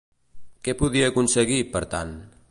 Què podia aconseguir, per tant?